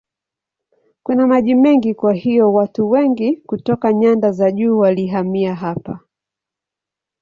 Kuna maji mengi kwa hiyo watu wengi kutoka nyanda za juu walihamia hapa.